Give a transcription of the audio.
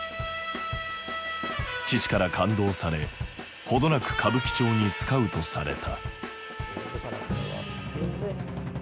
父から勘当され程なく歌舞伎町にスカウトされた。